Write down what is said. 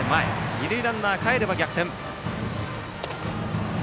二塁ランナーかえれば逆転。